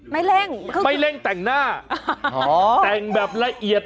เร่งเครื่องไม่เร่งแต่งหน้าแต่งแบบละเอียด